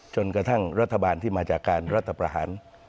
จนกระทั่งรัฐบาลที่มาจากการรัฐประหาร